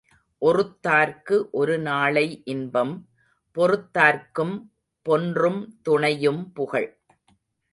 ஒறுத்தார்க்கு ஒரு நாளை இன்பம் பொறுத்தார்க்கும் பொன்றும் துணையும் புகழ்.